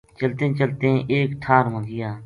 چلتیں چلتیں ایک ٹھار ما گیا